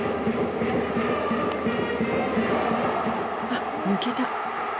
あっ抜けた！